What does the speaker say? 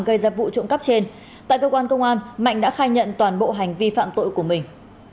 gây ra vụ trộm cắp trên tại cơ quan công an mạnh đã khai nhận toàn bộ hành vi phạm tội của mình